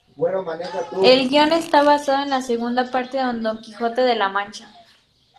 El guion está basado en la segunda parte de "Don Quijote de la Mancha".